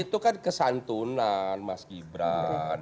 itu kan kesantunan mas gibran